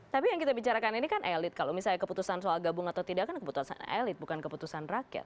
tapi yang kita bicarakan ini kan elit kalau misalnya keputusan soal gabung atau tidak kan keputusan elit bukan keputusan rakyat